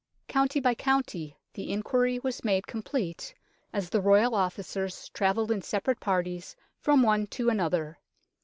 County by county the inquiry was made com plete as the Royal Officers travelled in separate parties from one to another.